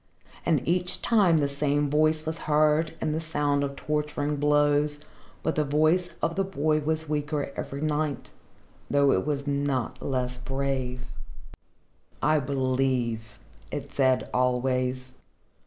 And each time the same voice was heard and the sound of torturing blows, but the voice of the boy was weaker every night, though it was not less brave. "I believe," it said, always.